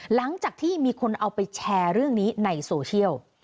หลังจากที่มีคนเอาไปแชร์เรื่องนี้ในโซเชียล